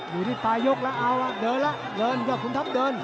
อยู่ที่ปลายกแล้วอ่ะอย่าคุณทัพเดิน